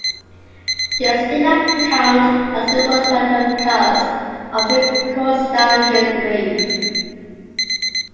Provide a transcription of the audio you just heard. This did not count as the world record because of the course's downhill grade.